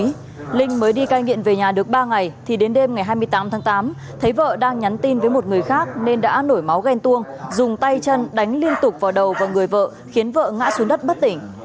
trong khi linh mới đi cai nghiện về nhà được ba ngày thì đến đêm ngày hai mươi tám tháng tám thấy vợ đang nhắn tin với một người khác nên đã nổi máu ghen tuông dùng tay chân đánh liên tục vào đầu và người vợ khiến vợ ngã xuống đất bất tỉnh